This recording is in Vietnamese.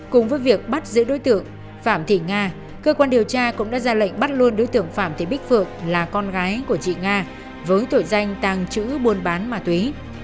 cùng với việc bắt giữ đối tượng phạm thị nga cơ quan điều tra cũng đã ra lệnh bắt luôn đối tượng phạm thị bích phượng là con gái của chị nga với tội danh tàng trữ buôn bán ma túy